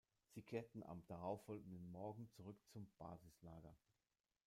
Sie kehrten am darauffolgenden Morgen zurück zum Basislager.